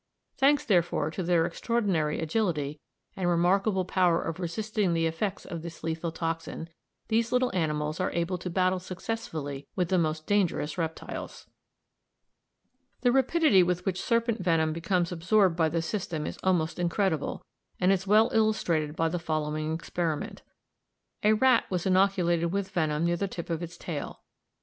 Thanks, therefore, to their extraordinary agility and remarkable power of resisting the effects of this lethal toxin, these little animals are able to battle successfully with the most dangerous reptiles. The rapidity with which serpent venom becomes absorbed by the system is almost incredible, and is well illustrated by the following experiment. A rat was inoculated with venom near the tip of its tail.